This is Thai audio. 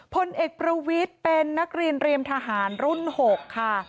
พลเอกประวิทย์เป็นนักเรียนเรียมทหารรุ่น๖ค่ะ